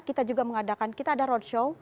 kita juga mengadakan kita ada roadshow